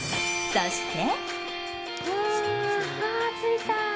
そして。